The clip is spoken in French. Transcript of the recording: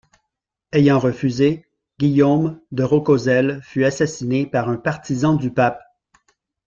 Ayant refusé, Guillaume de Rocozels fut assassiné par un partisan du pape.